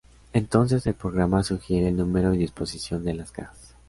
Entonces, el programa sugiere el número y disposición de las cajas.